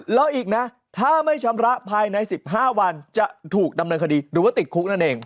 แล้วอีกนะถ้าไม่ชำระภายใน๑๕วันจะถูกดำเนินคดีหรือว่าติดคุกนั่นเอง